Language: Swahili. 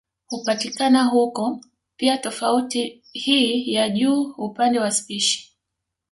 Hupatikana huko pia tofauti hii ya juu upande wa spishi